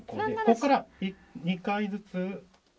ここから２回ずつ。